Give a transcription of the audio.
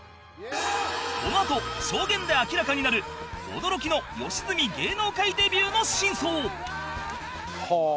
このあと証言で明らかになる驚きの良純芸能界デビューの真相！はあ！